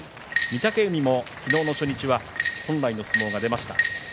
御嶽海、昨日の初日本来の相撲が出ました。